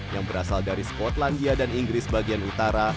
yang berasal dari skotlandia dan inggris bagian utara